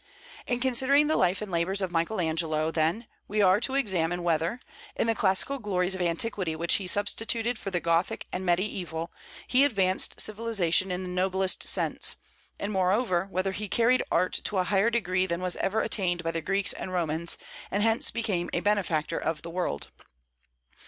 In considering the life and labors of Michael Angelo, then, we are to examine whether, in the classical glories of antiquity which he substituted for the Gothic and Mediaeval, he advanced civilization in the noblest sense; and moreover, whether he carried art to a higher degree than was ever attained by the Greeks and Romans, and hence became a benefactor of the world.